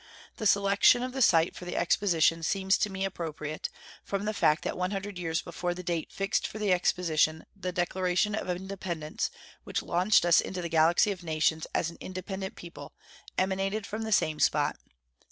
The selection of the site for the exposition seems to me appropriate, from the fact that one hundred years before the date fixed for the exposition the Declaration of Independence, which launched us into the galaxy of nations as an independent people, emanated from the same spot.